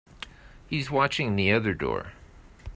He's watching the other door.